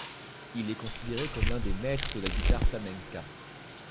Il est considéré comme l’un des maîtres de la guitare flamenca.